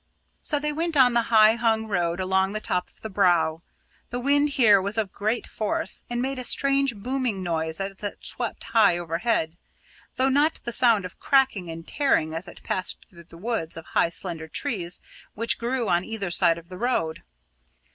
So they went on the high hung road along the top of the Brow. The wind here was of great force, and made a strange booming noise as it swept high overhead; though not the sound of cracking and tearing as it passed through the woods of high slender trees which grew on either side of the road.